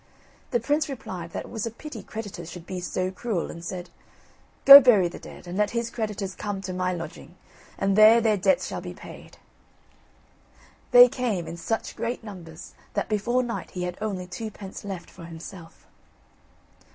The prince replied that it was a pity creditors should be so cruel, and said: "Go bury the dead, and let his creditors come to my lodging, and there their debts shall be paid." They came, in such great numbers that before night he had only twopence left for himself.